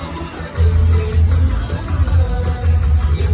สุดยอดมีสุดยอดมีสุดยอด